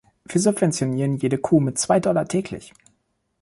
Wir subventionieren jede Kuh mit zwei Dollar täglich.